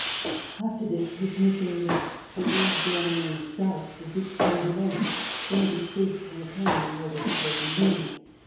After this, his mission was to rejoin in the South the Due d'Angouleme, who had received from the King the order to go to Nimes.